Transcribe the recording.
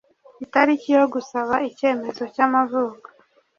itariki yo gusaba icyemezo cya amavuko